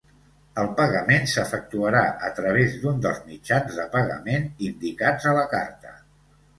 El pagament s'efectuarà a través d'un dels mitjans de pagament indicats a la carta.